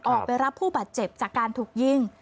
ออกไปรับผู้บาดเจ็บจากการถูกยิง